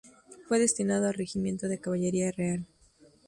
Fue destinado al Regimiento de Caballería Real.